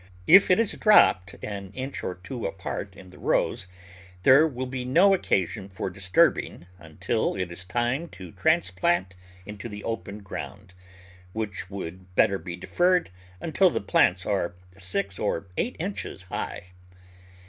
If it is dropped an inch or two apart in the rows there will be no occasion for disturbing until it is time tQ transplant into the open ground — which would better be deferred until the plants are six or eight inches high.